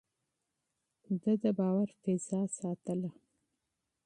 ده د باور فضا ساتله.